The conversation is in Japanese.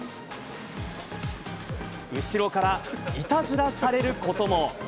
後ろからいたずらされることも。